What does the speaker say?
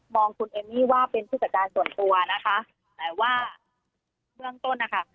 องคุณเอมมี่ว่าเป็นผู้จัดการส่วนตัวนะคะแต่ว่าเบื้องต้นนะคะ